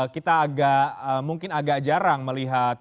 kita agak mungkin agak jarang melihat